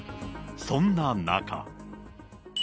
そんな中。